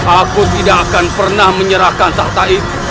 aku tidak akan pernah menyerahkan sat taib